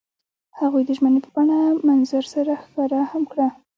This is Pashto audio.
هغوی د ژمنې په بڼه منظر سره ښکاره هم کړه.